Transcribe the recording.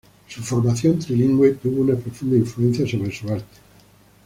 Su formación trilingüe tuvo una profunda influencia sobre su arte.